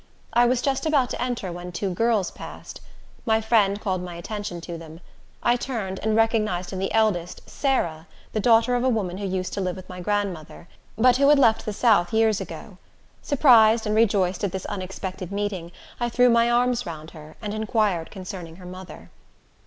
I was just about to enter, when two girls passed. My friend called my attention to them. I turned, and recognized in the eldest, Sarah, the daughter of a woman who used to live with my grandmother, but who had left the south years ago. Surprised and rejoiced at this unexpected meeting, I threw my arms round her, and inquired concerning her mother.